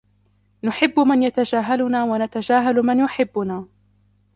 نحب من يتجاهلنا ونتجاهلُ من يحبنا.